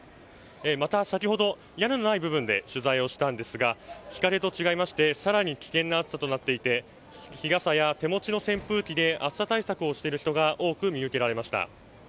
また、先ほど屋根のない部分で取材をしたんですが日陰と違いまして更に危険な暑さとなっていて日傘や手持ちの扇風機で暑さ対策をしている人が多く見受けられました。